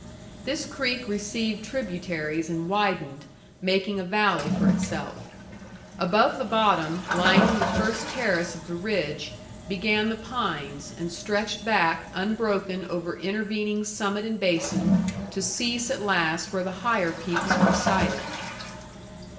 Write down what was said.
This creek received tributaries and widened, making a valley for itself. Above the bottom, lining the first terrace of the ridge, began the pines, and stretched back, unbroken over intervening summit and basin, to cease at last where the higher peaks presided.